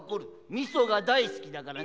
味噌が大好きだからな。